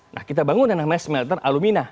nah kita bangun yang namanya smelter alumina